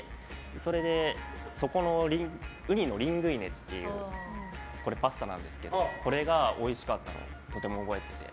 それでそこのウニのリングイネっていうパスタなんですけどこれがおいしかったのをとても覚えてて。